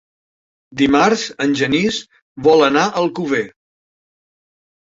Dimarts en Genís vol anar a Alcover.